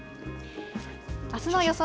あすの予想